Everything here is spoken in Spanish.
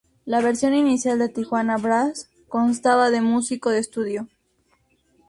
La versión inicial de Tijuana Brass constaba de músicos de estudio.